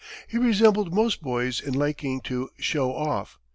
He resembled most boys in liking to "show off."